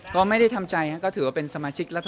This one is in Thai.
ก็ไม่ได้ทำใจก็ถือว่าเป็นสมาชิกรัฐ